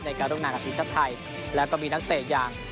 ในการลงนามกับทีชาติไทยแล้วก็มีนักเตะอย่าง